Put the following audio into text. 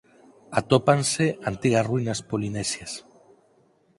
Atópanse antigas ruínas polinesias.